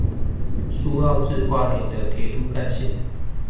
蘇澳至花蓮的鐵路幹線